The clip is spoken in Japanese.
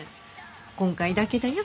今回だけだよ。